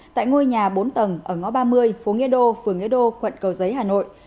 tại ngôi nhà bốn tầng ở ngõ ba mươi phố nghĩa đô phường nghĩa đô quận cầu giấy hà nội